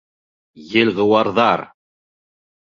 Елғыуарҙар!